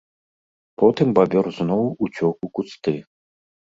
Потым бабёр зноў уцёк у кусты.